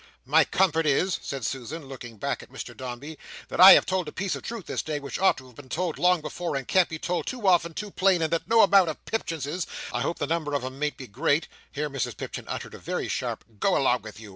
"My comfort is," said Susan, looking back at Mr Dombey, "that I have told a piece of truth this day which ought to have been told long before and can't be told too often or too plain and that no amount of Pipchinses—I hope the number of 'em mayn't be great" (here Mrs Pipchin uttered a very sharp "Go along with you!"